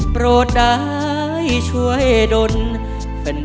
โปรดได้ช่วยดน